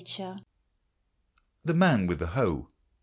395 "THE MAX WITH THE HOE."